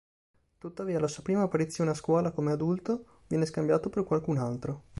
Tuttavia, alla sua prima apparizione a scuola come adulto, viene scambiato per qualcun altro...